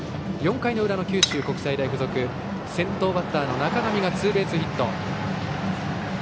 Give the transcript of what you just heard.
４回の裏、九州国際大付属先頭バッターの中上がツーベースヒット。